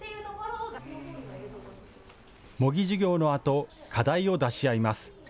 模擬授業のあと課題を出し合います。